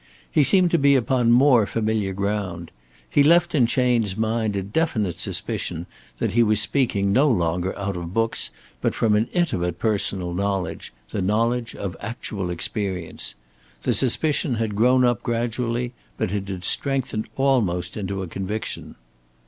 He seemed to be upon more familiar ground. He left in Chayne's mind a definite suspicion that he was speaking no longer out of books, but from an intimate personal knowledge, the knowledge of actual experience. The suspicion had grown up gradually, but it had strengthened almost into a conviction.